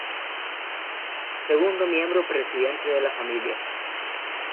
Segundo miembro presidente de la familia.